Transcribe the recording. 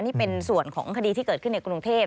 นี่เป็นส่วนของคดีที่เกิดขึ้นในกรุงเทพ